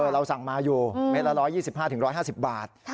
เราสั่งมาอยู่เมตรละ๑๒๕๑๕๐บาท